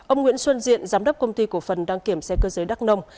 ông nguyễn xuân diện giám đốc công ty cổ phần đăng kiểm xe cơ giới đắc nông